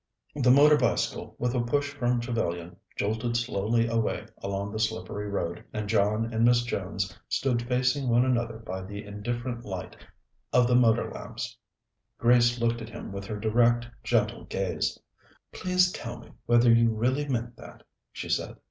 The motor bicycle, with a push from Trevellyan, jolted slowly away along the slippery road, and John and Miss Jones stood facing one another by the indifferent light of the motor lamps. Grace looked at him with her direct, gentle gaze. "Please tell me whether you really meant that," she said.